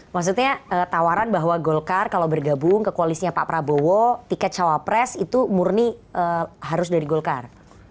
maksudnya tawaran bahwa golkar kalau bergabung ke koalisnya pak prabowo tiket cawapres itu murni harus dari golkar